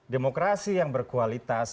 demokrasi yang berkualitas